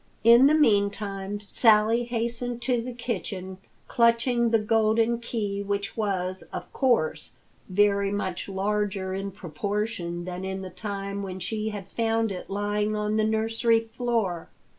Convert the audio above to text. In the meantime, Sally hastened to the kitchen, clutching the golden key which was, of course, very much larger in proportion than in the time when she had found it lying on the nursery floor.